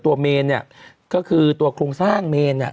ตัวเมนก็คือตัวคลุ้งสร้างเมน